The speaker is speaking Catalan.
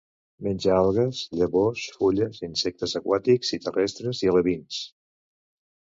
Menja algues, llavors, fulles, insectes aquàtics i terrestres, i alevins.